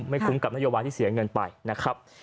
คุ้มกับนโยบายที่เสียเงินไปนะครับ